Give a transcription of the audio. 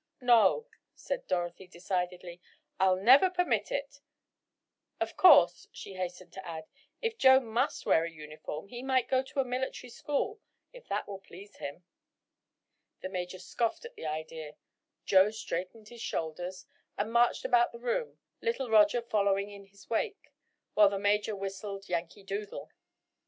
"No," said Dorothy decidedly, "I'll never permit it. Of course," she hastened to add, "if Joe must wear a uniform, he might go to a military school, if that will please him." The major scoffed at the idea. Joe straightened his shoulders, and marched about the room, little Roger following in his wake, while the major whistled "Yankee Doodle."